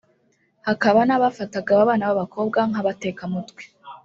hakaba n’abafataga aba bana b’abakobwa nk’abatekamutwe